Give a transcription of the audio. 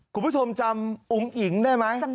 คุณผู้ชมจำอุ๋งอิ๋งได้ไหม